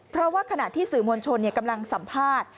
เพราะว่าขณะที่สื่อมวลชนกำลังสัมภาษณ์